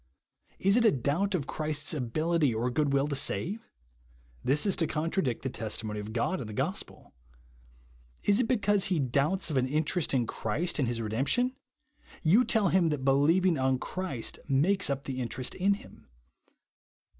Is it a doubt of Christ's ability or good will to save ? This is to contradict the testimony of God in the gospel. Is it because he doubts of an in terest in Christ and his redemption ? You tell him that believing on Christ makes up the interest in him.